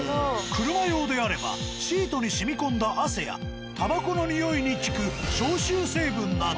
クルマ用であればシートに染み込んだ汗やタバコのニオイに効く消臭成分など。